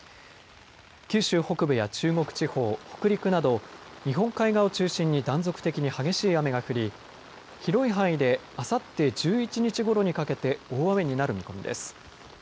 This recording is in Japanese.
九州北部や中国地方、北陸など、日本海側を中心に断続的に激しい雨が降り、広い範囲であさって１１日ごろにかけて、大雨になる見込みです。